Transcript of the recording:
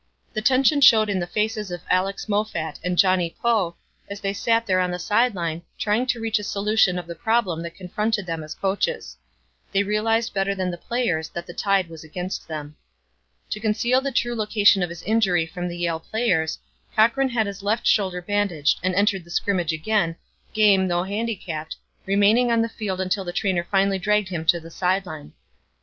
The tension showed in the faces of Alex Moffat and Johnny Poe as they sat there on the side line, trying to reach a solution of the problem that confronted them as coaches. They realized better than the players that the tide was against them. To conceal the true location of his injury from the Yale players, Cochran had his left shoulder bandaged and entered the scrimmage again, game though handicapped, remaining on the field until the trainer finally dragged him to the side line.